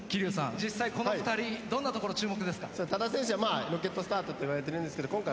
実際この２人どんなところ注目ですか？